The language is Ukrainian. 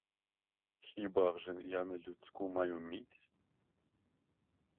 Хіба вже я нелюдську маю міць?